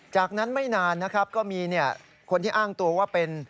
จากนั้นไม่นานนะครับก็มีคนที่อ้างตัวว่าเป็น